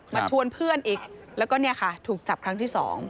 ชวนเพื่อนอีกแล้วก็เนี่ยค่ะถูกจับครั้งที่๒